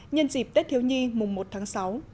nhân dịp tết thiếu nhi mùng một tháng sáu